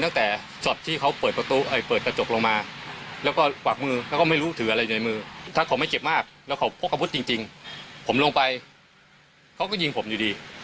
ตั้งแต่สอบที่เขาเปิดกระจกลงมาแล้วก็กวัดมือแล้วก็ไม่รู้ถืออะไรอยู่ในมือ